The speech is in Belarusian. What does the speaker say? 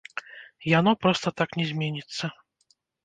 Яно проста так не зменіцца.